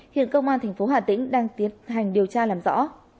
hiện công an tp hà tĩnh đang tiến hành điều tra làm rõ